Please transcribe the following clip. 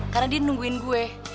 karena dia nungguin gue